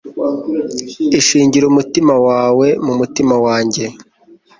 Ishingire umutima wawe ku mutima wanjye